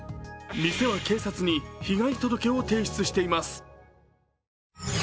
店は警察に被害届を提出しています。